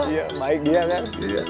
iya baik dia kan